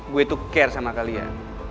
gue itu care sama kalian